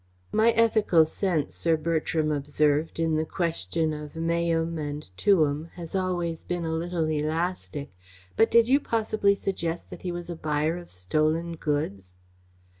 "My ethical sense," Sir Bertram observed, "in the question of 'meum and tuum', has always been a little elastic, but did you possibly suggest that he was a buyer of stolen goods?"